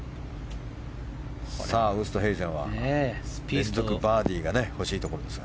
さあ、ウーストヘイゼンはバーディーが欲しいところですが。